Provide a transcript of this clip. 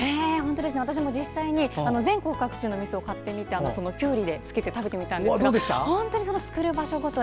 私も実際に全国各地のみそを買ってみてきゅうりにつけて食べ比べしてみたんですが本当に、その作る場所ごとに